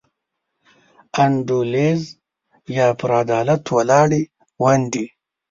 انډولیزي یا پر عدالت ولاړې ونډې.